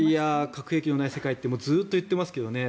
核兵器のない世界ってずっと言っていますけどね